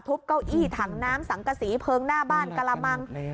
เก้าอี้ถังน้ำสังกษีเพลิงหน้าบ้านกระมัง